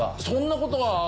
そんなことは。